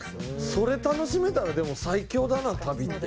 それ楽しめたらでも最強だな旅って。